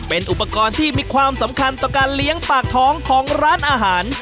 เป็นอุปกรณ์ที่มีความสำคัญต่อการเลี้ยงปากท้องของร้านอาหาร